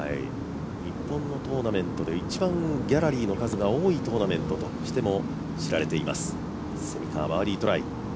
日本のトーナメントで一番ギャラリーの数が多いトーナメントとしても知られています。